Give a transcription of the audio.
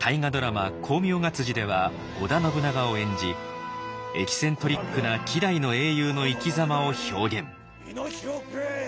「功名が」では織田信長を演じエキセントリックな希代の英雄の生きざまを表現。